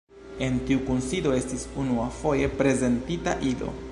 En tiu kunsido estis unuafoje prezentita Ido.